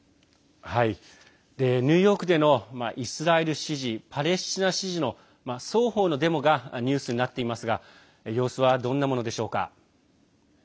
ニューヨークでのイスラエル支持パレスチナ支持の双方のデモがニュースになっていますが様子はどんなものでしょうか？